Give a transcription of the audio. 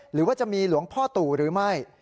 หรือว่าจะมีหลวงพ่อตู่หรือไม่